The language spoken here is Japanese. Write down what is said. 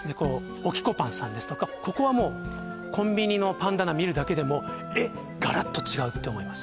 オキコパンさんですとかここはもうコンビニのパン棚見るだけでもえっガラッと違うって思います